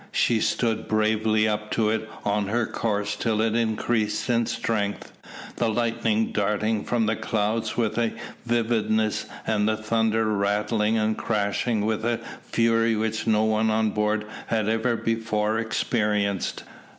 She stood bravely up to it on her course till it increased in strength, the lightning darting from the clouds with a vividness, and the thunder rattling and crashing with a fury which no one on board had ever before experienced.